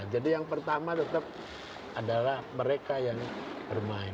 jadi yang pertama tetap adalah mereka yang bermain